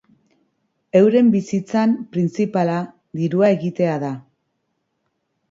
Euren bizitzan printzipala, dirua egitea da.